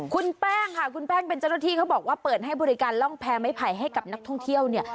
คุณแป้งค่ะคุณแป้งเป็นเจ้าหน้าที่เขาบอกว่าเปิดให้บริการร่องแพ้ไม้ไผ่ให้กับนักท่องเที่ยวเนี่ย